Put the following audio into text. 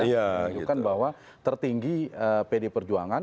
menunjukkan bahwa tertinggi pd perjuangan